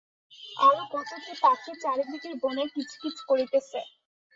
আরও কত কি পাখি চারিদিকের বনে কিচ-কিচ করিতেছে।